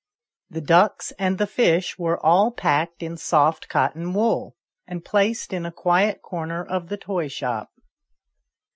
The ducks and the fish were all packed in soft cotton wool, and placed in a quiet corner of the toy shop.